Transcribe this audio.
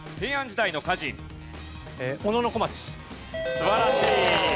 素晴らしい。